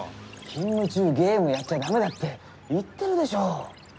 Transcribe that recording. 勤務中ゲームやっちゃ駄目だって言ってるでしょう。